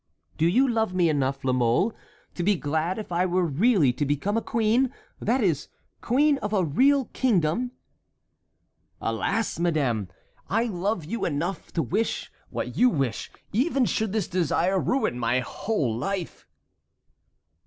Do you love me enough, La Mole, to be glad if I were really to become a queen; that is, queen of a real kingdom?" "Alas, madame, I love you enough to wish what you wish, even should this desire ruin my whole life!"